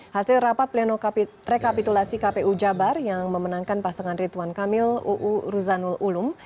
hasil rapat pleno rekapitulasi kpu jabar yang memenangkan pasangan ridwan kamil uu ruzanul ulum